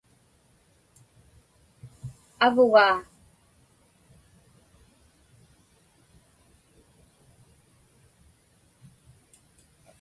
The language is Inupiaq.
Avugaa.